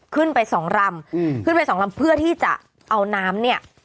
ขึ้นไปสองรำเพื่อที่จะเอาน้ำเนี่ย